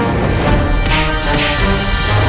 aku akan menangkapmu